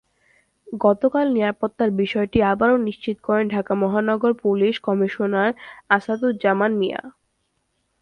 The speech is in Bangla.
গতকাল নিরাপত্তার বিষয়টি আবারও নিশ্চিত করেন ঢাকা মহানগর পুলিশ কমিশনার আছাদুজ্জামান মিয়া।